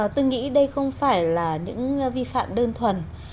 tôi nghĩ đây không phải là những vi phạm đơn thuần